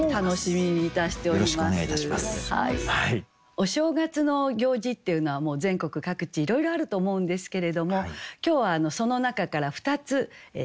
お正月の行事っていうのはもう全国各地いろいろあると思うんですけれども今日はその中から２つクイズを作ってまいりました。